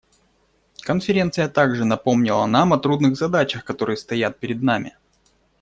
Конференция также напомнила нам о трудных задачах, которые стоят перед нами.